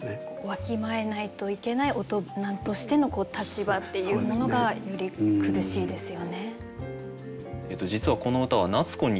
わきまえないといけない大人としての立場っていうものがより苦しいですよね。